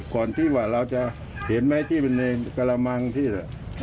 ก่อนที่ว่าเราจะเห็นไหมที่มันในกระมังที่